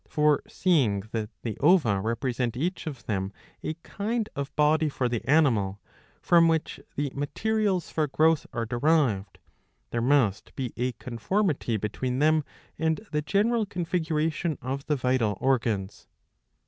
For seeing that the ova represent each of them a kind of body for the animal, from which the materials for growth are derived, there must be a conformity between them and the general configuration of the vital organs.